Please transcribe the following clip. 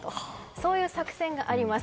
そういう作戦があります。